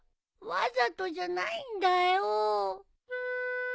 わざとじゃないんだよ。